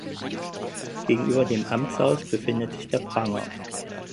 Gegenüber dem Amtshaus befindet sich der Pranger.